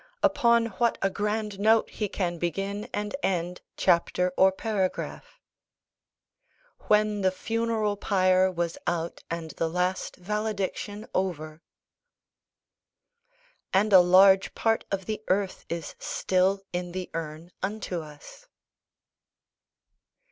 Upon what a grand note he can begin and end chapter or paragraph! "When the funeral pyre was out, and the last valediction over:" "And a large part of the earth is still in the urn unto us."